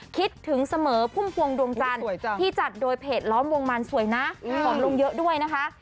คิดถึงเสมอพุ่มพวงดวงจันทร์ที่จัดโดยเพจล้อมวงมันสวยนะฝนลงเยอะด้วยนะคะ